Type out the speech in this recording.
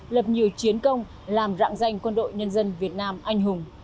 lập nhiều chiến công làm rạng danh quân đội nhân dân việt nam anh hùng